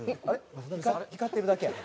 光ってるだけやね。